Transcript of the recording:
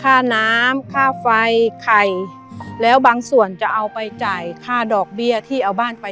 ค่าน้ำค่าไฟไข่แล้วบางส่วนจะเอาไปจ่ายค่าดอกเบี้ยที่เอาบ้านไป